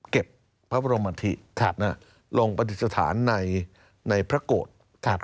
เก็บพระบรมธิลงปฏิสถานในพระโกรธ